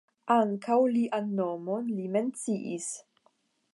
Ankaŭ lian nomon li menciis.